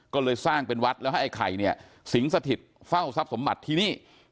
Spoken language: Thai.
ก็เลยสร้างเป็นวัดแล้วให้ไอ้ไข่เนี่ยสิงสถิตเฝ้าทรัพย์สมบัติที่นี่